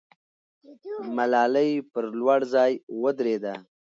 ملالۍ پر لوړ ځای ودرېده.